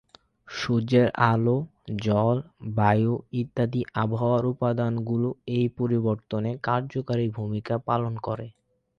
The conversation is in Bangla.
সূর্যের আলো, জল, বায়ু ইত্যাদি আবহাওয়ার উপাদানগুলো এই পরিবর্তনে কার্যকরী ভুমিকা পালন করে।